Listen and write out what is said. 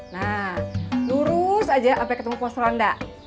nah lurus aja sampe ketemu fos rwanda